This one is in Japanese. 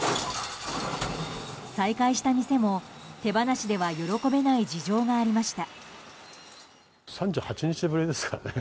再開した店も手放しでは喜べない事情がありました。